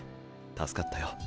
助かったよ。